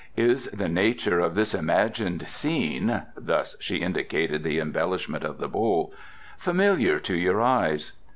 Is the nature of this imagined scene" thus she indicated the embellishment of the bowl "familiar to your eyes?"